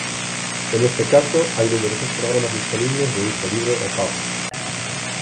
En este caso hay numerosos programas disponibles de uso libre o pago.